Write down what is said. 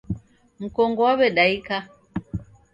Mkongo waw'edaika.